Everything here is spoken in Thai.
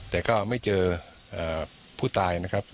แต่ก็ไม่เจอผู้ตายนะครับ